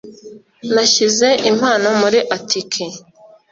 Nashyize impano muri atike.